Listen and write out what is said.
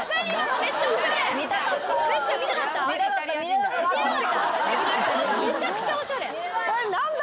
めちゃくちゃおしゃれ。